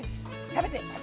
食べて！